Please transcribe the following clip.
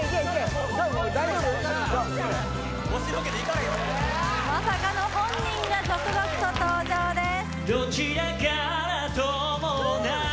押しのけて行かれへんわまさかの本人が続々と登場です